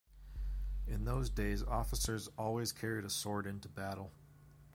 In those days officers always carried a sword into battle.